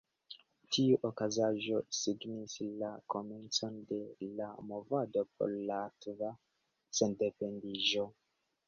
Tiu okazaĵo signis la komencon de la movado por latva sendependiĝo.